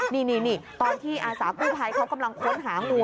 นี่ตอนที่อาสากู้ภัยเขากำลังค้นหางู